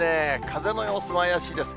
風の様子も怪しいです。